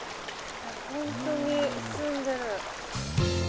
本当に澄んでる。